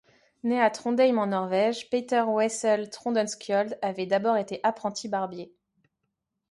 Né à Trondheim, en Norvège, Peter Wessel Tordenskiold avait d'abord été apprenti barbier.